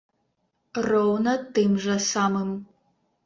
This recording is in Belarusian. Роўна тым жа самым!